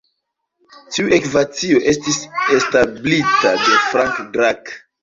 Tiu ekvacio estis establita de Frank Drake.